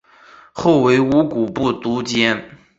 后为乌古部都监。